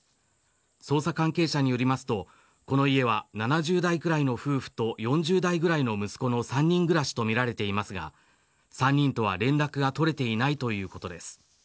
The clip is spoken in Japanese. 捜査関係者によりますとこの家は７０代くらいの夫婦と４０代くらいの息子の３人暮らしとみられていますが３人とは連絡が取れていないということです。